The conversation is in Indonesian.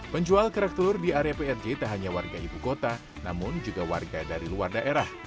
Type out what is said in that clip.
penjual kerak telur di area prj tak hanya warga ibu kota namun juga warga dari luar daerah